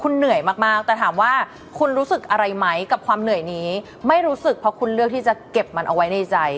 คุณเหนื่อยมากแต่ถามว่าคุณรู้สึกอะไรไหมกับความเหนื่อยนี้ไม่รู้สึกเพราะคุณเลือกที่จะเก็บมันเอาไว้ในใจ